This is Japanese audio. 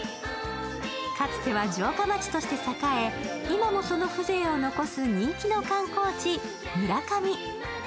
かつては城下町として栄え、今もその風情を残す人気の観光地、村上。